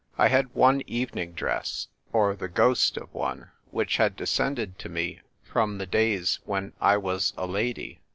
I had one evening dress, or the ghost of one, which had descended to me from the days when I was a lady.